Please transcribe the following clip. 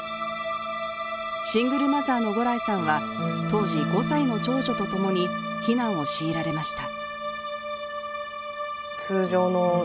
シングルマザーの牛来さんは当時５歳の長女と共に避難を強いられました。